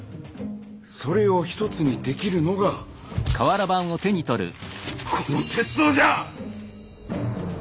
それを一つにできるのがこの鉄道じゃ！